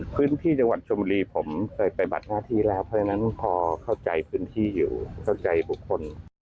พื้นที่จังหวัดชนบุรีกันพอมาที่แล้วเพื่อนนั้นพอเค้าใจพื้นที่อยู่เค้าใจบุคคล